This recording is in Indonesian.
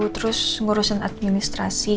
terus ngurusin administrasi